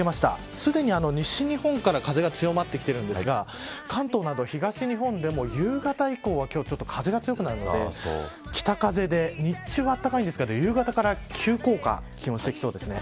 すでに西日本から風が強まってきてるんですが関東など東日本でも夕方以降は今日は風が強くなるので北風で日中は暖かいんですけど夕方から急降下気温がしてきそうです。